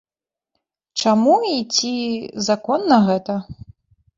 Чаму і ці законна гэта?